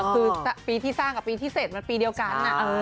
คือปีที่สร้างกับปีที่เสร็จมันปีเดียวกัน